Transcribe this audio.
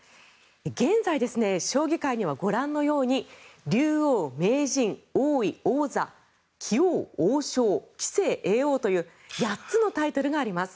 現在、将棋界にはご覧のように竜王、名人、王位、王座棋王、王将、棋聖、叡王という８つのタイトルがあります。